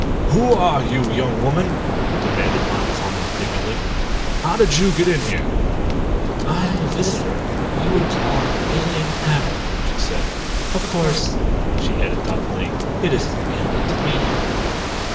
"Who are you, young woman?" demanded Montcalm indignantly. "How did you get in here?" "I am a visitor from what you would call an alien planet," she said. "Of course," she added thoughtfully, "it isn't alien to me."